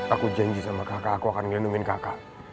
aku janji sama kakak aku akan melindungi kakak